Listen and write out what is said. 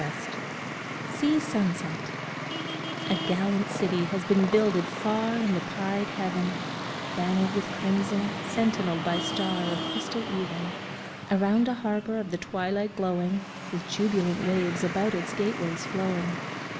12 SEA SUNSET A GALLANT city has been builded far In the pied heaven, Bannered with crimson, sentinelled by star Of crystal even; Around a harbor of the twilight glowing, With jubilant waves about its gateways flowing.